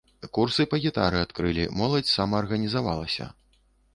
Курсы па гітары адкрылі, моладзь самаарганізавалася.